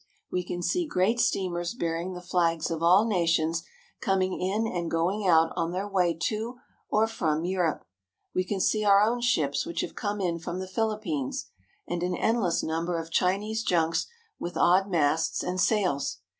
We can see great steamers bearing the flags of all nations coming in and going out on their way to or from Europe. We can see our own ships which have come in from the Philippines, and an endless number of Chi nese junks with odd masts and sails.